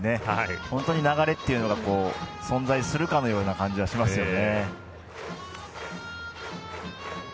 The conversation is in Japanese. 本当に流れというのが存在するかのような感じがしますよね。